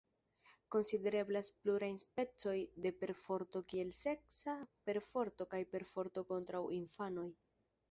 Konsidereblas pluraj specoj de perforto kiel seksa perforto kaj perforto kontraŭ infanoj.